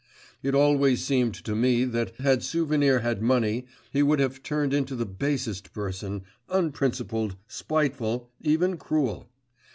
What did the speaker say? It always seemed to me that had Souvenir had money, he would have turned into the basest person, unprincipled, spiteful, even cruel.